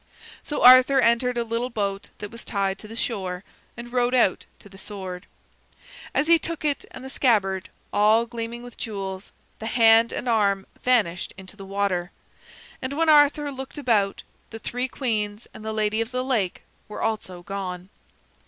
So Arthur entered a little boat that was tied to the shore, and rowed out to the sword. As he took it and the scabbard, all gleaming with jewels, the hand and arm vanished into the water. And when Arthur looked about, the three queens and the Lady of the Lake were also gone.